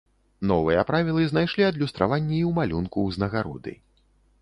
Новыя правілы знайшлі адлюстраванне і ў малюнку ўзнагароды.